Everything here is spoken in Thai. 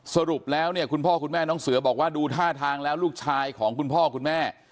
สรุปแล้วเนี่ยคุณพ่อคุณแม่น้องเสือบอกว่าดูท่าทางแล้วลูกชายของคุณพ่อคุณแม่